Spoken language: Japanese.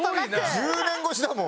１０年越しだもん。